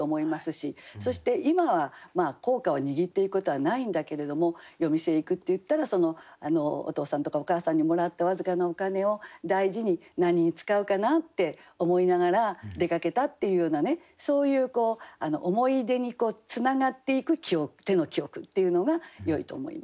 そして今は硬貨を握っていくことはないんだけれども夜店へ行くって言ったらお父さんとかお母さんにもらった僅かなお金を大事に何に使うかなって思いながら出かけたっていうようなねそういう思い出につながっていく「手の記憶」っていうのがよいと思いました。